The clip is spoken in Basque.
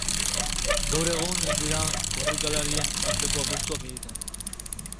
Gaur egun ez dira korrikalarien arteko apustuak egiten.